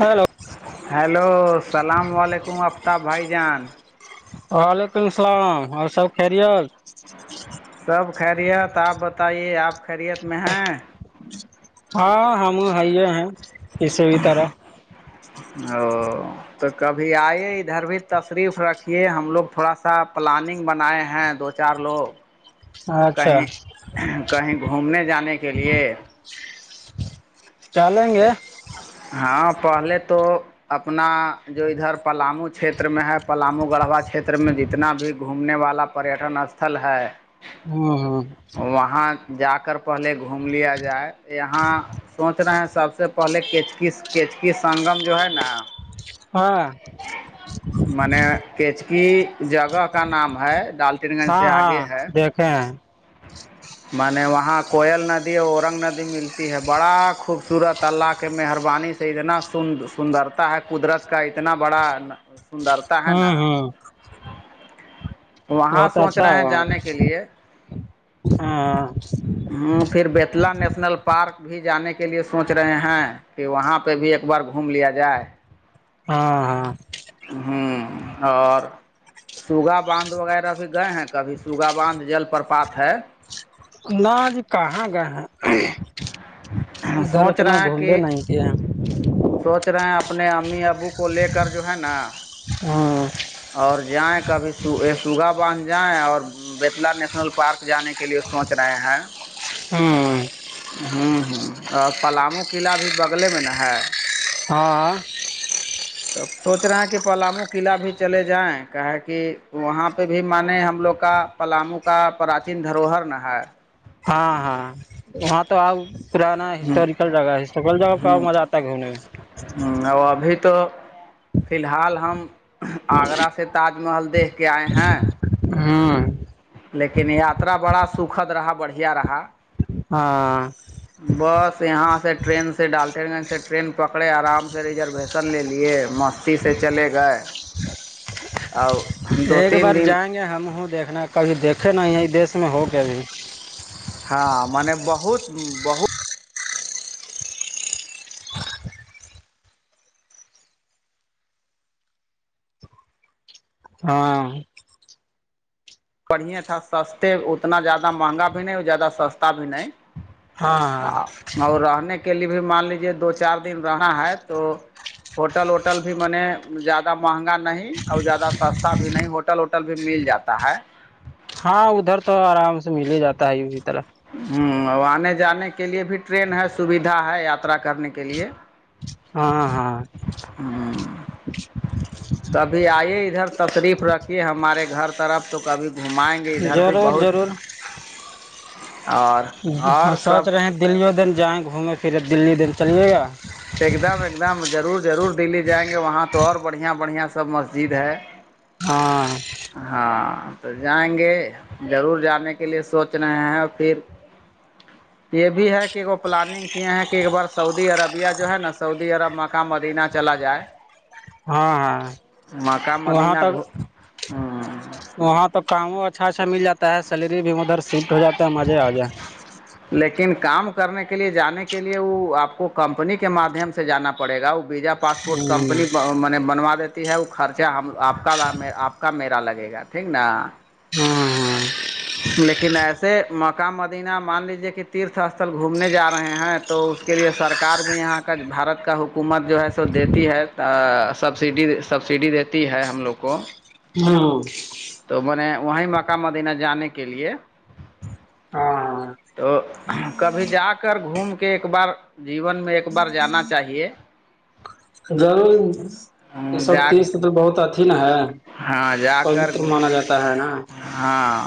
hello hello السلام علیکم آفتاب بھائی جان وعلیکم السلام اور سب خیریت سب خیریت آپ بتائیے آپ خیریت میں ہیں ہاں ہم ہے ہیں اس بھی طرح [unintelligible] او تو کبھی آئیے ادھر بھی تشریف رکھیے ہم لوگ تھوڑا سا پلاننگ بنائے ہیں دو چار لوگ اچھا کہیں کہیں گھومنے جانے کے لیے چالیں گے ہاں پہلے تو اپنا جو ادھر پلامو چھیتر میں ہے پلامو گڑھوا چھیتر میں جتنا بھی گھومنے والا پریٹن استھل ہے ہاں ہاں وہاں جا کر پہلے گھوم لیا جائے یہاں سوچ رہے ہیں سب سے پہلےچک کیچکی سنگم جو ہے نا ہاں م نے کیچکی جگہ کا نام ہے ڈال کٹن گنج ہاں سے آگے ہاں ہے دیکھے ہیں میں نے وہاں کوئل ندی اور اورنگ ندی ملتی ہے بڑا خوبصورت اللہ کے مہربانی سے اتنا س سندرتا ہے قدرت کا اتنا بڑا سندرتا ہے نا ہوں ہوں وہاں بہت سوچ اچھا رہے ہیں ہوا جانے کے لیے ہاں ہ پھر بیتلا نیشنل پارک بھی جانے کے لیے سوچ رہے ہیں کہ وہاں پہ بھی ایک بار گھوم لیا جائے ہاں ہاں ہوں اور سوگا باندھ وغیرہ بھی گئے ہیں کبھی سوگا باندھ جل پرپات ہے نہ جی کہاں گئے ہیں ادھر سوچ اتنا رہے ہیں گھومے کہ نہیں تھے سوچ رہے ہیں اپنے امی ابو کو لے کر جو ہے نا ہاں اور جائیں کبھی سوگا باندھ جائیں اور بیتلا نیشنل پارک جانے کے لیے سوچ رہے ہیں ہاں ہوں ہوں اور پلامو قلعہ بھی بغلے میں نا ہے ہاں تب سوچ رہے ہیں کہ پلامو قلعہ بھی چلے جائیں کہ کہ وہاں پہ بھی مانیں ہم لوگ کا پلاموں کا پراچین دھروہر نہ ہے ہاں ہاں وہاں تو آپ پرانا ہسٹوریکل جگہ ہسٹوریکل جگہ بہت مزہ آتا گومنے میں ہ وہ ابھی تو فی الحال ہم آگرہ سے تاج انل دیکھ کے آئے ہیں ہاں لیکن یاترا بڑا سکھد رہا بڑھیا رہا ہاں بس یہاں سے ٹرین سے ڈالٹین گنج سے ٹرین پکڑے آرام سے ریزرو فسل لےے مستی سے چلے گئے اور دو ایک تین بار دن جائیں گے ہم ہوں دیکھنا کبھی دیکھے نہیں ہے دیس میں ہو کے بھیھی ہاں م بہت بہت ہاں بڑھیا تھا سستے اتنا زیادہ مہنگا بھی نہیں اور زیادہ سستا بھی نہیں ہاں ہاں اور رہنے کے لیے بھی مان لیجے دو چار دن رہنا ہے تو ہوٹل وٹل بھی م نے زیادہ مہنگا نہیں اور زیادہ سستا بھی نہیں ہوٹل ہوٹل ووٹل بھی مل جاتا ہے ہاں ادھر تو آرام سے مل ہی جاتا ہے اسی طرح ہوں آنے جانے کے لیے بھی ٹرین ہے سویدھا ہے یاترا کرنے کے لیے ہاں ہاں ہوں کبھی آئیے ادھر تشریف رکھیے ہمارے گھر طرف تو کبھی گھمائیں گے ادھر بھی ضرور بہت ضرور اور ہاں اور سب [unintelligible] ضرور ضرور دلی جائیں گے وہاں تو اور بڑھیا بڑھیا سب مسجد ہے ہاں ہاں تو جائیں گے ضرور جانے کے لیے سوچ رہے ہیں اور پھر یہ بھی ہے کہ وہ پلاننگ کیے ہیں کہ ایک بار سعودی عربیہ جو ہے نا سعودی عرب مقہ مدینہ چلا جائے ہاں ہاں مکہ وہاں مدینہ تک گھو وہاں تو کاموں اچھا اچھا مل جاتا ہے سیلری بھی ادھر شفٹ ہو جاتا ہے مزے آ جائے [unintelligible] لیکن کام کرنے کے لیے جانے کے لیے وہ آپ کو کمپنی کے مادھیم سے جانا پڑے گا وہ بیجا پاسپورٹ کمپنی م بنوا دیتی ہے وہ خرچہ آپ کا آپ کا میرا لگے گا ٹھیک نا ہاں لیکن ایسے مکہ مدینہ مان لیجے کہ تیرھ استھل گھومنے جا رہے ہیں تو اس کے لیے سرکار بھی یہاں کا بھارت کا حکومت جو ہے سو دیتی ہے سبسڈی سبسڈی دیتی ہے ہم لوگ کو ہاں تو میں نے وہیں مکہ مدینہ جانے کے لیے ہاں ہاں تو کبھی جا کر گھوم کے ایک بار جیون میں ایک بار جانا چاہیے ضرور یہ سب جا تیز تو بہت آتی کن ہے ہاں جا کر پوتر مانا جاتا ہے نا ہاں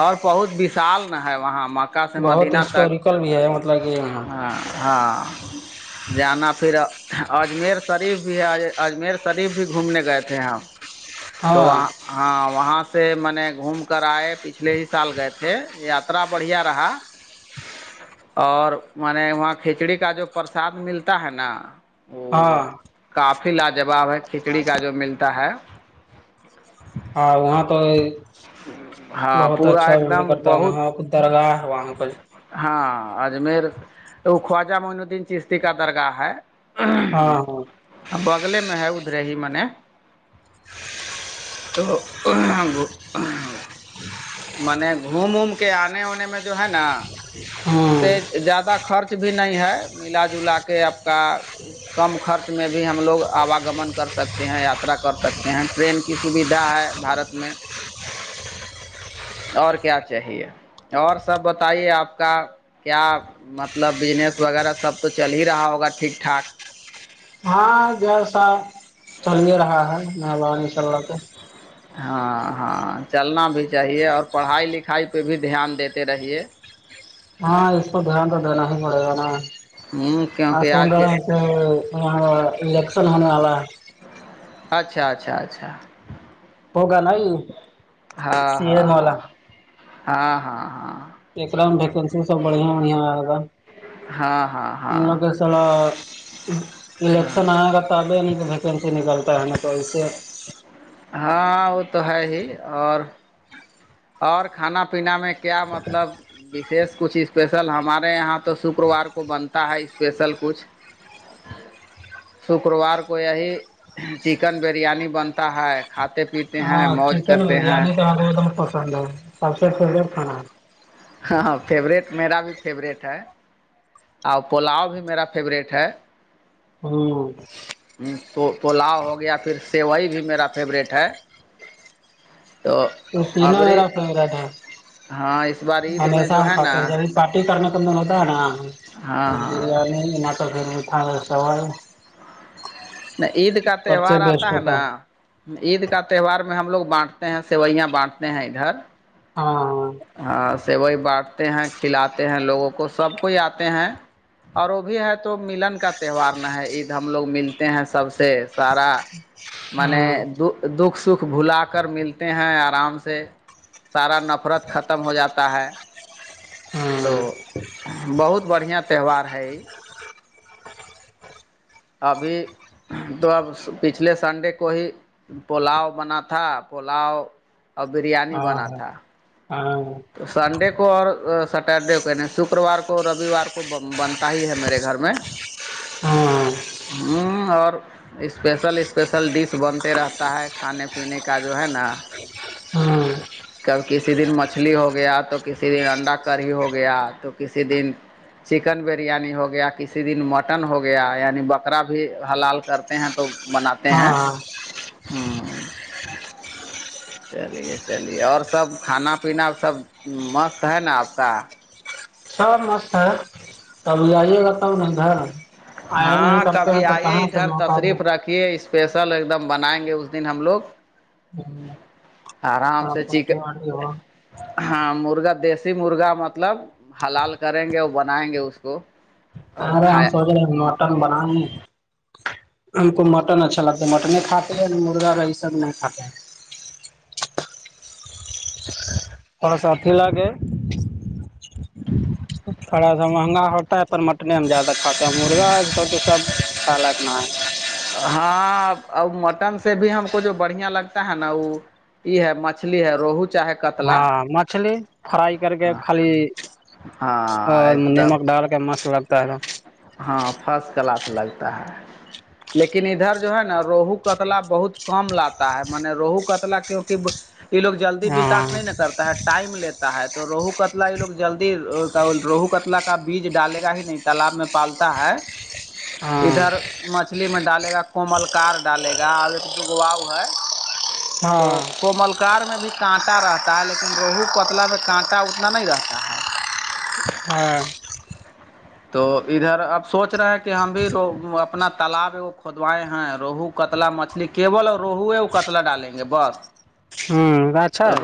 اور بہت وشال ن ہے وہاں م مکا سے بہت مدینہ تک ہسٹوریکل بھی ہے مطلب کہ یہاں ہاں ہاں جانا پھر اجمیر شریف بھی ہے اجمیر شریف بھی گھومنے گئے تھے ہم تو ہاں وہاں ہاں وہاں سے سے میں نے گھوم کر آئے پچھلے ہی سال گئے تھے یاترا بڑھیا رہا اور م نے وہاں کھچڑی کا جو پرساد ملتا ہے نا وہ ہاں کافی لاجواب ہے کھچڑی کا جو ملتا ہے ہاں وہاں تو ہاں بہت پورا اچھا ایک م دم کرتا ہے بہت وہاں درگاہ وہاں پرہ ہاں اجمیر تو وہ خواجہ معین الدین چشتی کا درگاہ ہے ہاں ہاں ہ بگلے میں ہے ادھرے ہی منے تو م نے گھوم ووم کے آنے ونے میں جو ہے نا ہاں سے زیادہ خرچ بھی نہیں ہے ملا جلا کے آپ کا کم خرچ میں بھی ہم لوگ آواگمن کر سکتے ہیں یاترا کر سکتے ہیں ٹرین کی سویدھا ہے بارت میں اور کیا چاہیے اور سب بتائیے آپ کا کیا مطلب بجنس وغیرہ سب تو چل ہی رہا ہوگا ٹھیک ٹھاک ہاں جیسا چل ہی رہا ہے میں الا اللہ کے ہاں ہاں چلنا بھی چاہیے اور پڑھائی لکھائی پہ بھی دھیان دیتے رہیے [unintelligible] ہاں اس کو دھیان تو دینا ہی پڑے گا نا ہ آ کیونکہ سن آج کے رہے الیکشن ہونے والا [unintelligible] اچھا اچھا اچھا [unintelligible] ہوگا ہاں سی ہاں ایم والا ہاں ہاں ہاں ہاں ایکر میں ویکنسی سب بڑیا بڑیا آ گا ہاں ہاں ان ہاں لوگ تھوڑا الیکشن ہاں آئے گا تو ابھی نہیں ویکینسی نکلتا ہے تو اس سے [unintelligible] ہاں وہ تو ہے ہی اور اور کھانا پین میں کیا مطلب بشیش کچھ اسپیشل ہمارے یہاں تو شکروار کو بنتا ہے اسپیشل کچھ [inaudible] شکروار کو یہی چکن بریانی بنتا ہے کھاتے پیتے ہیں ہاں موج چکن کرتے ہیں بریانی تو آ بہتم پسند ہے سب سے فورٹ کانا ہاں فیوریٹ میرا بھی فیوریٹ ہے اور پولاؤ بھی میرا فیوریٹ ہے ہوں [unintelligible] ہوں تو پلاؤ ہو گیا پھر سیوئی بھی میرا فیوریٹ ہے تو پین ابری ویرا پا تھاا ہاں اس بار عید میں ہمیشہ جو ہے کٹ نا ج پارٹی کرنے کا من ہوتا ہے نا ہاں ہاں بریانی ا تو پھرٹان چاول نہ عید کا تہوار آتا ہے نا عید کا تہوار میں ہم لوگ بانٹتے ہیں سوئیاں بانٹتے ہیں ادھر ہاں ہاں [unintelligible] ہاں س وہی بانٹتے ہیں کھلاتے ہیں لوگوں کو سب کوئی آتے ہیں [unintelligible] اور وہ بھی ہے تو ملن کا تہوار ن ہے عید ہم لوگ ملتے ہیں سب سے [unintelligible] سارا مانے ہاں دو [unintelligible] دکھ سکھ بھلا کر ملتے ہیں آرام سے سارا نفرت ختم ہو جاتا ہے ہاں تو بہت بڑھیا تہوار ہے ابھی تو اب پچھلے سنڈے کو ہی پلاؤ بنا تھا پلاؤ اور بریانی ہاں بنا ہاں تھا ہاں تو سنڈے کو اور سٹرڈے کو کہنے شکروار کو رویوار کو بنتا ہی ہے میرے گھر میں ہاں ہوں اور [unintelligible] اسپیشل اسپیشل ڈش بنتے رہتا ہے کھانے پینے کا جو ہے نا ہاں [unintelligible] کب کسی دن مچھلی ہو گیا تو کسی دن انڈا کرڑھی ہو گیا تو کسی دن چکن بریانی ہو گیا کسی دن مٹن ہو گیا یعنی بکرا بھی حلال کرتے ہیں تو بناتے ہاں ہیں ہاں [unintelligible] چلیے چلیے اور سب کھانا پینا سب مست ہے نا آپ کا [unintelligible] سب مست ہے ابھی آئیے گا تب ن گھر آیا نہیں ہاں کرتے ہیں تو کہاں سے موقع لے کہ اسپیشل ایک دم بنائیں گے اس دن ہم لوگ آرام سے چییک پارٹی وارٹی ہو ہاں مرغا دیسی مرغا مطلب حلال کریں گے اور بنائیں گے اس کو اور ارے ہم کھایا سوچ رہے ہیں مٹن بنانیے ہم کو مٹن اچھا لگتا ہے مٹن کھاتے ہیں مرغا یہ سب نہیں کھاتے ہیں کو سھی ل کےے تھوڑا سا مہنگا ہوتا ہے پر م اٹنے زیادہ کھاتے مرغا سب کھ ل اپنا ہے ہاں ا مٹن سے بھی ہم کو جو بڑھیا لگتا ہے نا وہ یہ ہے مچلی ہے روہو چاہے کتلا ہاں مچھلی فرائی کر کے خالی ہاں اور ایک نمک دم ڈال کے مست لگتا ہے ہاں فرسٹ کلاس لگتا ہے لیکن ادھر جو ہے نا روہو کتلا بہت کم لاتا ہے م نے روہو کتلا کیوںکہ یہ لوگ جلدی ہاں وکاس نہیں ن کرتا ہے ٹائم لیتے ہے تو روہو کتلا یہ لوگ جلدی روہو کتلا کا بیج ڈالے گا ہی نہیں تالاب میں پالتا ہے ہاں ادھر [unintelligible] مچھلی میں ڈالے گا کوملکار ڈالے گا اب ایک دوگو وؤ ہے تو ہاں کوملکار میں بھی کانٹا رہتا ہے لیکن روہو کوتلا میں کانٹا اتنا نہیں رہتا ہے ہاں تو ادھر اب سوچ رہے ہیں کہ ہم بھی اپنا تالاب کھودوائے ہیں روہو کتلا مچھلی کےول اور روہو ہے وہ کتلا ڈالیں گے بس ہ اچھا ہے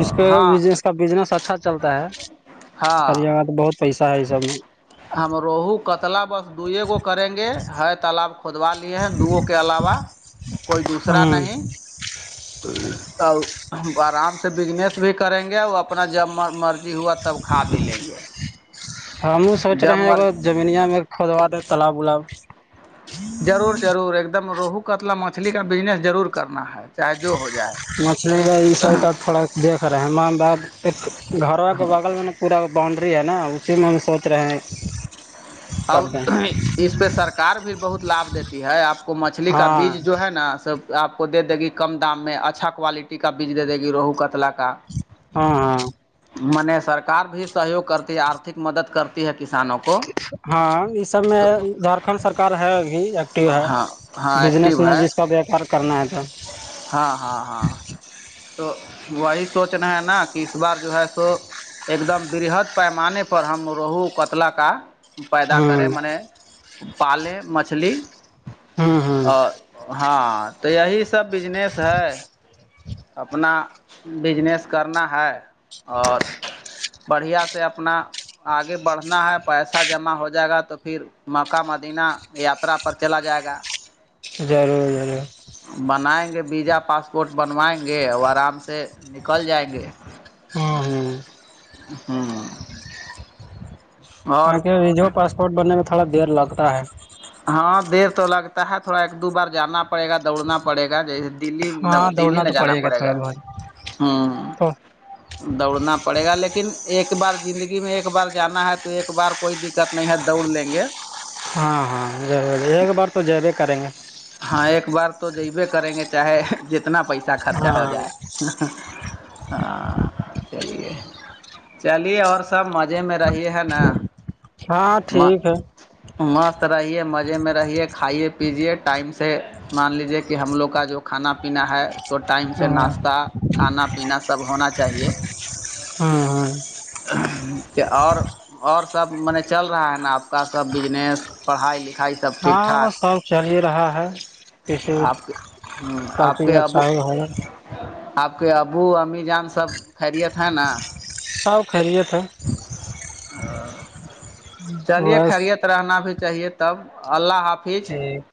اس کے ہاں اس کا بزنس اچھا چلتا ہے ہاں کالاں تو بہت پیسہ ہے یہ سب ہم روہو کتلا بس دوے گو کریں گے ہے تالاب خھودوا لیے ہیں دوگ کے علاوہ کوئی دوسرا ہوں نہیں اور ہم آرام سے بجنس بھی کریں گے اور اپنا جب مرضی ہوا تب کھا بھی لیں گے ہم سوچ رہے جب ہیں مر ایگ جمینیا میں کھودوا د تالاب ولاب ضرور ضرور ایک دم روہو کتلا مچھلی کا بزنس ضرور کرنا ہے چاہے جو ہو جائے مچھلی کا یہ سب کا تھوڑا دیکھ رہےان بار ایک گھرا کے بغل میں نا پورا باؤونڈری ہے نا اسی میں ہم سوچ رہے ہیں کر دیں اور اس پہ سرکار بھی بہت لابھ دیتی ہے آپ کو مچھلی کا ہاں بیج جو ہے نا سب آپ کو دے دے گی کم دام میں اچھا کوالٹی کا بیج دے دے گی روہو کتلا کا ہاں ہاں م نے سرکار بھی سہیوگ کرتی ہے آرھک مدد کرتی ہے کسانوں کو ہاں یہ سب میں تو جھارکھنڈ سرک ہے بھی ایکٹیو ہے ہاں ہاں بزنس ایکٹیو میں ہے جس کا وپار کرنا ہے تو ہاں ہاں ہاں تو وہی سوچ رہے ہیں نا کہ اس بار جو ہے سو ایک دم برہد پیمانے پر ہم روہو کتل کا پیدا کرے ہوں منے پالے مچھلی ہوں ہوں ا ہاں تو یہی سب بجنس ہے اپنا بجنس کرنا ہے اور بڑھیا سے اپنا آگے بڑھنا ہے پیسہ جمع ہو جائے گا تو پھر مکہ مدینہ یاترا پر چلا جائے گا ضرور ضرور بنائیں گے ویزا پاسپورٹ بنوائیں گے اور آرام سے نکل جائیں گے ہاں ہاں ہوں آ اور و جو پاسپورٹ بننے میں تھوڑا دیر لگتا ہے ہاں دیر تو لگتا ہے تھوڑا ایک دو بار جانا پڑے گا دوڑنا پڑے گا جیسے دلی ہاں دلی دوڑنا نہ تو جانا پڑے تھوڑا گا بہت ہ تو دوڑنا پڑے گا لیکن ایک بار زندگی میں ایک بار جانا ہے تو ایک بار کوئی د دقت نہیں ہے دوڑ لیں گے ہاں ہاں ضرور ایک بار تو ج بھیے کریں گے ہاں ایک بار تو جبے کریں گے چاہے جتنا پیسہ خرچہ ہو ہاں جائے ہاں چلیے چلیے اور سب مزے میں رہے ہے نا ہاں ٹھیک ہے مست رہیے مزے میں رہیے کھائیے پیجیے ٹائم سے مان لیجیے کہ ہم لوگ کا جو کھانا پینا ہے تو ٹائم سے ہاں ناشتہ کھانا پینا سب ہونا چاہیے ہوں ہوں کہ اور اور سب م نے چل رہا ہے نا آپ کا سب بجنس پڑائی لکھائی سب ٹھیک ہاں ٹھاک سب چل ہی رہا ہے کسی آپ کے ہ آپ کافی کے ابو اچھا ہی ہو آپ کے ابو امی جان سب خیریت ہے نا سا خریے تھا چلیے بس خری ہے رہنا بھی چاہیے تب اللہ حافظ [unintelligible]